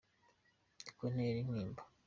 Niko ntera intimba